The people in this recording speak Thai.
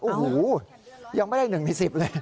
โอ้โหยังไม่ได้๑ใน๑๐เลย